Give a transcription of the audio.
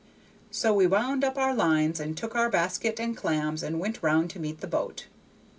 So we wound up our lines, and took our basket and clams and went round to meet the boat.